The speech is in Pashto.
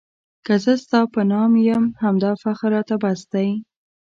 که زه ستا په نام یم همدا فخر راته بس دی.